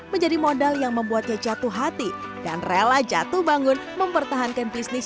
menjadi modal yang membuatnya jatuh hati dan rela jatuh bangun mempertahankan bisnis